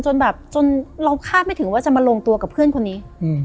จนแบบจนเราคาดไม่ถึงว่าจะมาลงตัวกับเพื่อนคนนี้